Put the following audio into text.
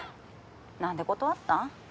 何で断ったん？